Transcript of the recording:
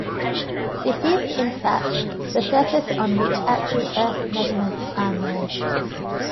This is, in fact, the surface on which actual Earth measurements are made.